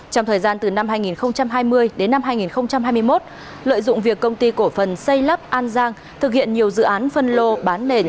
trong thời gian từ năm hai nghìn hai mươi đến năm hai nghìn hai mươi một lợi dụng việc công ty cổ phần xây lắp an giang thực hiện nhiều dự án phân lô bán nền